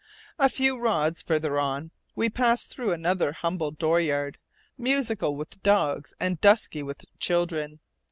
A few rods farther on, we passed through another humble dooryard, musical with dogs and dusky with children.